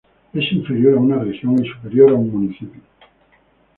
Es inferior a una región y superior a un municipio.